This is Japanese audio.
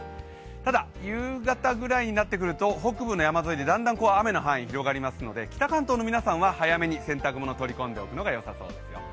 ただ、夕方ぐらいになってくると北部の山沿いでだんだん雨の範囲が広がりますので北関東の皆さんは早めに洗濯物を取り込んでおくのがよさそうですよ。